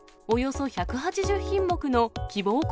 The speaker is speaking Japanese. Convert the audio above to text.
およそ１８０品目の希望